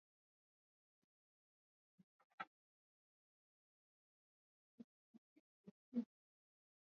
Namna ya kukabiliana na ugonjwa wa homa ya mapafu